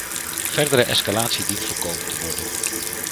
Verdere escalatie dient voorkomen te worden.